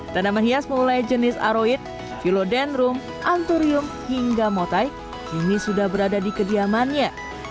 tanaman hias mulai jenis aroid philodenrum anturium hingga motaik kini sudah berada di kediamannya